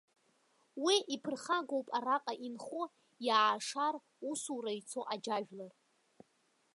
Уи иԥырхагоуп араҟа инхо, иаашар усура ицо аџьажәлар.